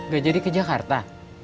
gak jadi ke jakarta